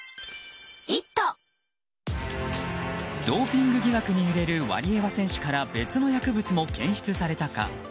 ドーピング疑惑に揺れるワリエワ選手から別の薬物の検出されたか。